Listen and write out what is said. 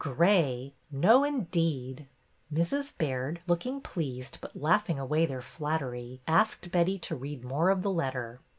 Gray? No, indeed! Mrs. Baird, looking pleased but laughing away their flattery, asked Betty to read more of the letter.